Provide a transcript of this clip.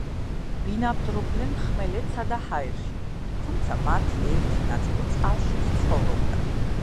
ბინადრობდნენ ხმელეთსა და ჰაერში, თუმცა მათი ერთი ნაწილი წყალშიც ცხოვრობდა.